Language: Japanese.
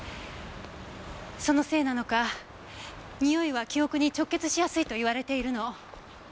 そのせいなのかにおいは記憶に直結しやすいと言われているの。